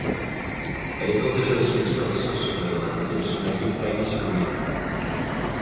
Elle est enterrée au cimetière de Saint-Sauveur à côté de son amie Alice Greene.